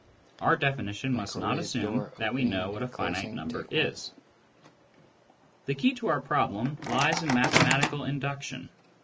Our definition must not assume that we know what a finite number is. The key to our problem lies in mathematical induction.